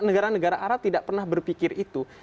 negara negara arab tidak pernah berpikir itu